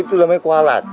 itu namanya kualat